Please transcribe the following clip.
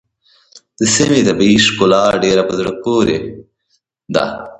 د دې سيمې طبیعي ښکلا ډېره په زړه پورې ده.